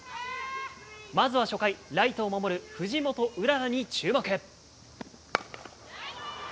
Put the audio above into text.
まずは初回、ライトを守る藤本麗に注目。